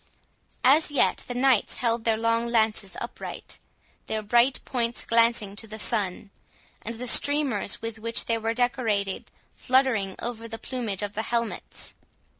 As yet the knights held their long lances upright, their bright points glancing to the sun, and the streamers with which they were decorated fluttering over the plumage of the helmets.